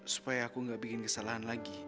supaya aku gak bikin kesalahan lagi